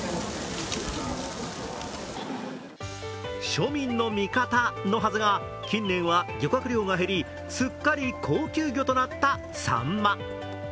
庶民の味方のはずが、近年は漁獲量が減りすっかり高級魚となったさんま。